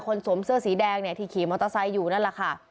สวมเสื้อสีแดงเนี่ยที่ขี่มอเตอร์ไซค์อยู่นั่นแหละค่ะ